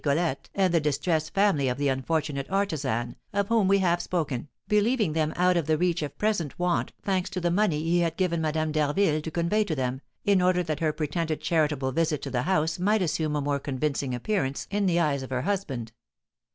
Rigolette and the distressed family of the unfortunate artisan, of whom we have spoken, believing them out of the reach of present want, thanks to the money he had given Madame d'Harville to convey to them, in order that her pretended charitable visit to the house might assume a more convincing appearance in the eyes of her husband.